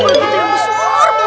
itu yang besar